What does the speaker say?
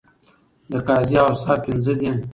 د قاضی اوصاف پنځه دي.